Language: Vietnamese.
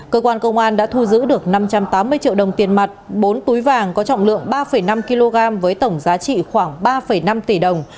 cơ quan công an đã thu giữ được năm trăm tám mươi triệu đồng tiền mặt bốn túi vàng có trọng lượng ba năm kg với tổng giá trị khoảng ba năm tỷ đồng